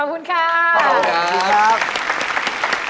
ขอบคุณครับ